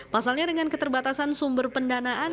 pasalnya dengan keterbatasan sumber pendanaan